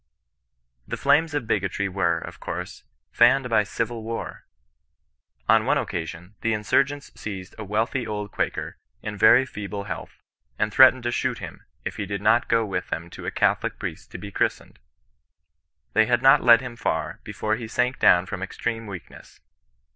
The flames of bigotry were, of course, fanned by civil war. On one occasion, the insurgents seized a wealthy old Quaker, in veiy feeble health, and threatened to shoo6 him, if he did not go with them to a Catholic priest to be christened. They had not led him far, before he sank down from extreme weakness.